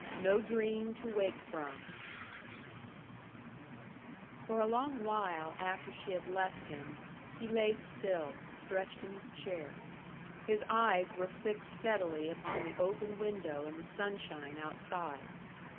NO DREAM TO WAKE FROM For a long while after she had left him, he lay still, stretched in his chair. His eyes were fixed steadily upon the open window and the sunshine outside.